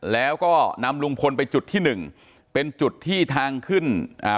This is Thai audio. แล้วก็นำลุงพลไปจุดที่หนึ่งเป็นจุดที่ทางขึ้นอ่า